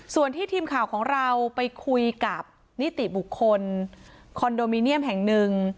ส่วนที่ทีมข่าวของเราไปคุยกับนิติบุคคลคอนโดมิเนียมแห่งหนึ่ง